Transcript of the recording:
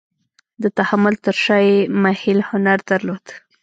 د تحمل تر شا یې محیل هنر درلود.